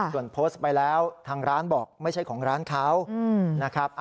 ส่วนโพสต์ไปแล้วทางร้านบอกไม่ใช่ของร้านเขานะครับ